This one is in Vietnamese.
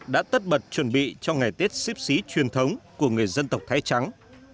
đã tất bật chuẩn bị cho ngày tết ship xí truyền thống của người dân tộc thái trắng